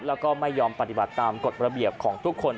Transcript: แล้วก็ไม่ยอมปฏิบัติตามกฎระเบียบของทุกคน